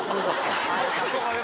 ありがとうございます